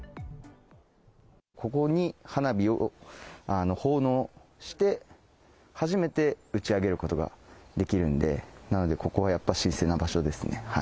ここに花火を奉納して、初めて打ち上げることができるんで、なので、ここはやっぱり神聖な場所ですね。